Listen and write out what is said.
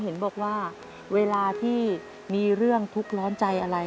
เห็นบอกว่าเวลาที่มีเรื่องทุกข์ร้อนใจอะไร